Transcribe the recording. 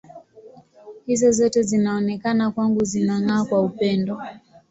Hizo zote zinaonekana kwangu zinang’aa kwa upendo.